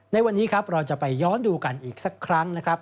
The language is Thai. ในวันนี้ครับเราจะไปย้อนดูกันอีกสักครั้งนะครับ